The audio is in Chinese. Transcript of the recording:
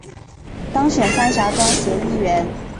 当选三峡庄协议员